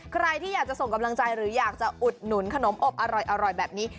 ใครที่อยากจะส่งกำลังใจหรืออยากจะอุดหนุนขนมอบอร่อยแบบนี้